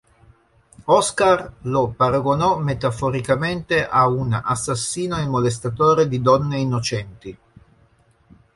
Oscar lo paragonò metaforicamente a un assassino e molestatore di donne innocenti.